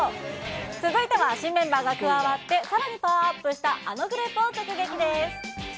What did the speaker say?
続いては新メンバーが加わってさらにパワーアップしたあのグループを直撃です。